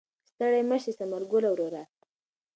ستړی مه شې ثمر ګله وروره.